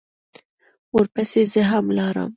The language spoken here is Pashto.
ورپسې زه هم لاړم.